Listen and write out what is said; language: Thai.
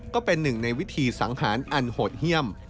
ก็เป็นหนึ่งในวิธีสังหารอันโหดเยี่ยม